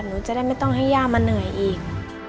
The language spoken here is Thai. หนูจะได้ไม่ต้องให้ย่ามาเหนื่อยอีก